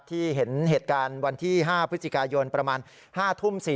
ที่เห็นเหตุการณ์วันที่๕พฤศจิกายนประมาณ๕ทุ่ม๔